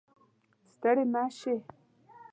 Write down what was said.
ستړې مه شې